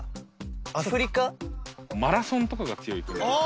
マラソンとかが強い国。